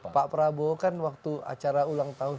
pak prabowo kan waktu acara ulang tahun